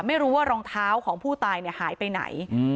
ไม่รู้ว่ารองเท้าของผู้ตายหายไปไหน